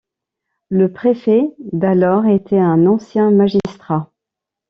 Le Préfet d’alors était un ancien magistrat.